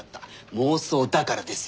妄想だからですよ。